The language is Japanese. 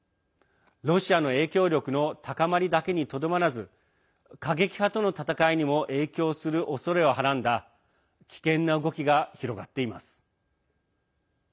ロシアの影響力の高まりだけにとどまらず過激派との戦いにも影響するおそれをはらんだ危険な動きが広がっています。